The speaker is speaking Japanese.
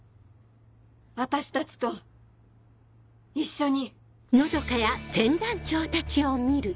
私たちと一緒に。